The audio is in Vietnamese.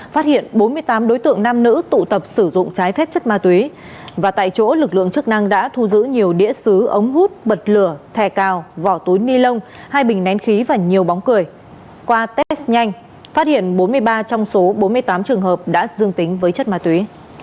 phát hiện bốn mươi tám đối tượng nam nữ tụ tập sử dụng trái phép chất ma túy và tại chỗ lực lượng chức năng đã thu giữ nhiều đĩa xứ ống hút bật lửa thẻ cào vỏ túi ni lông hai bình nén khí và nhiều bóng cười qua test nhanh phát hiện bốn mươi ba trong số bốn mươi tám trường hợp đã dương tính với chất ma túy